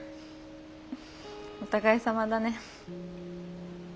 お互いさまだね。